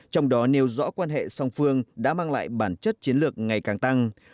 trong đó nêu rõ quan hệ song phương đã mang lại bản chất chiến lược ngày càng tăng